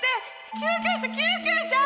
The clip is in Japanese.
救急車救急車！